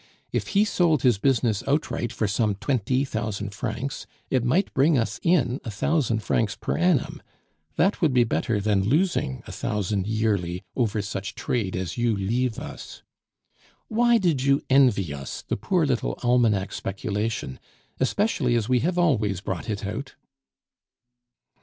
If he sold his business outright for some twenty thousand francs, it might bring us in a thousand francs per annum; that would be better than losing a thousand yearly over such trade as you leave us. Why did you envy us the poor little almanac speculation, especially as we have always brought it out?"